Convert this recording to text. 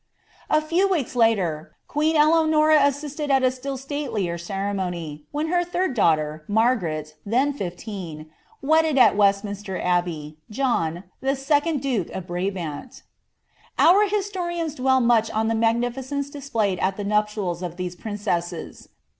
A few weeks latw. ^ca Eleanora assisted at a still statelier ceremony, when her tbin^ uhter, Margaret, then ttf^een, wedded, al Westminster Abbey, JohOb I^Kcund duke of Brabant.' IF liislorians dwell much on the magnificence displayed at the ruj^ ■ of these princesses.